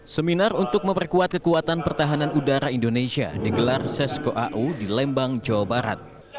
seminar untuk memperkuat kekuatan pertahanan udara indonesia digelar sesko au di lembang jawa barat